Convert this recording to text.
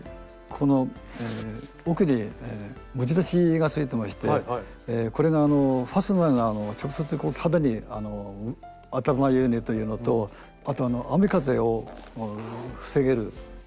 この奥に持ち出しがついてましてこれがファスナーが直接肌に当たらないようにというのとあと雨風を防げるというのがあります。